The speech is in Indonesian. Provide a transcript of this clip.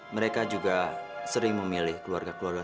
mereka juga sering memilih keluarga keluarga